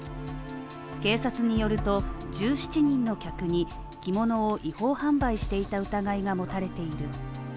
警察によると、１１人の客に着物を違法販売していた疑いが持たれている。